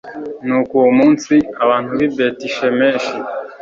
nuko uwo munsi, abantu b'i betishemeshi